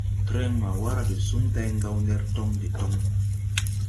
Tren ma wara de suŋ day Gawndere tɔŋ de toŋ.